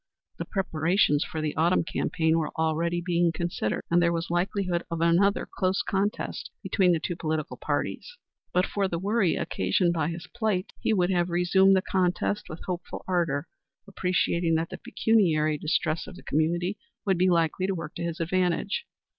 The preparations for the autumn campaign were already being considered, and there was likelihood of another close contest between the two political parties. But for the worry occasioned by his plight, he would have resumed the contest with hopeful ardor, appreciating that the pecuniary distress of the community would be likely to work to his advantage.